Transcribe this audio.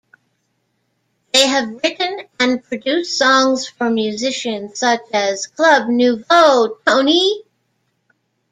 They have written and produced songs for musicians such as Club Nouveau, Tony!